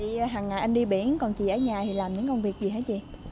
vậy hằng ngày anh đi biển còn chị ở nhà thì làm những công việc gì hả chị